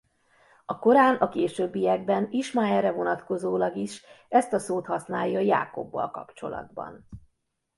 A Korán a későbbiekben Ismáelre vonatkozólag is ezt a szót használja Jákobbal kapcsolatban.